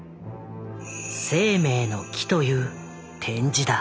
「生命の樹」という展示だ。